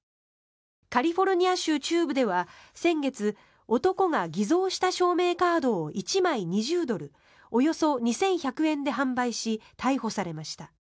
カリフォルニア州中部では先月、男が偽造した証明カードを１枚２０ドルおよそ２１００円で販売し逮捕されました。